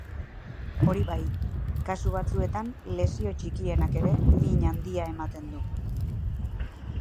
Hori bai, kasu batzuetan lesio txikienak ere min handia ematen du.